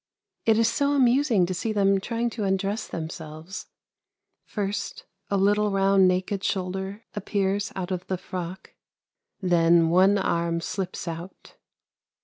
It is so amusing to see them trying to undress themselves; first, a little round naked shoulder appears out of the frock, then one arm slips out.